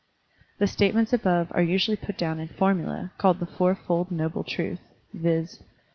The statements above made are usually put down in formula and called the Fourfold Noble Truth; viz.